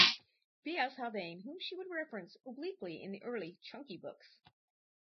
B. S. Haldane whom she would reference obliquely in the early "Chunky" books.